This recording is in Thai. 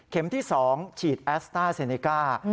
เข็มที่สองฉีดแอสต้าเซเนก้า